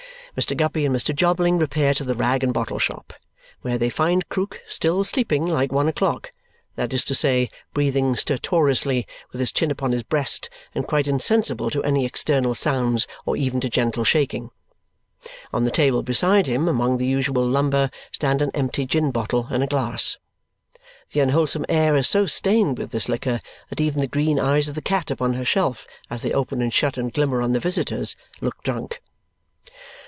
Mr. Guppy and Mr. Jobling repair to the rag and bottle shop, where they find Krook still sleeping like one o'clock, that is to say, breathing stertorously with his chin upon his breast and quite insensible to any external sounds or even to gentle shaking. On the table beside him, among the usual lumber, stand an empty gin bottle and a glass. The unwholesome air is so stained with this liquor that even the green eyes of the cat upon her shelf, as they open and shut and glimmer on the visitors, look drunk.